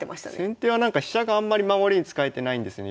先手は飛車があんまり守りに使えてないんですよね。